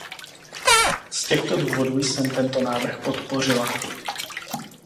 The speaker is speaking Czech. Z těchto důvodů jsem tento návrh podpořila.